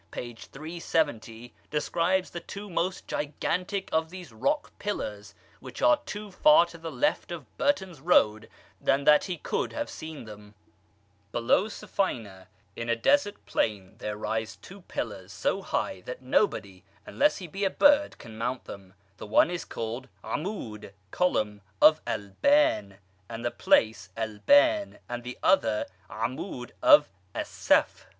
p. 370, describes the two most gigantic of these rock pillars, which are too far to the left of Burtons road than that he could have seen them: Below Sufayna in a desert plain there rise two pillars so high that nobody, unless he be a bird, can mount them; the one is called cAmud (column) of al Ban, after the place al Ban, and the other cAmud of al Safh.